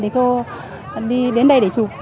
thì cô đến đây để chụp